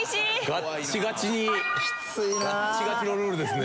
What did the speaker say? ガチガチのルールですね。